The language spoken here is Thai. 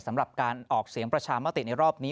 สำหรับการออกเสียงประชามติในรอบนี้